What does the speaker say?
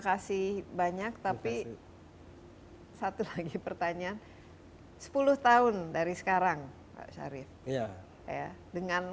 kasih banyak tapi satu lagi pertanyaan sepuluh tahun dari sekarang pak syarif ya dengan